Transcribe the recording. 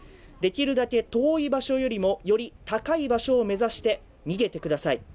できるだけ遠い場所よりもより高い場所を目指して逃げてください。